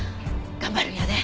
頑張るんやで。